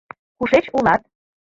— Кушеч улат?